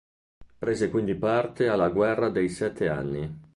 Prese quindi parte alla guerra dei sette anni.